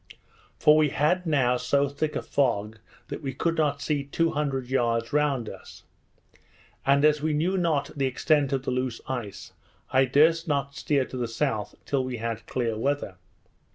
For we had now so thick a fog, that we could not see two hundred yards round us; and as we knew not the extent of the loose ice, I durst not steer to the south till we had clear weather.